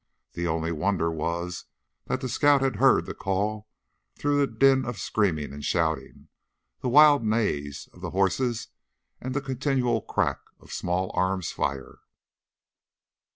The only wonder was that the scout had heard that call through the din of screaming and shouting, the wild neighs of the horses, and the continual crackle of small arms' fire.